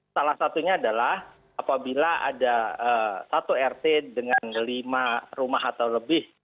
salah satunya adalah apabila ada satu rt dengan lima rumah atau lebih